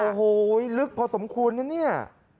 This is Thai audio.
โอ้โหลึกพอสมควรนะเนี่ย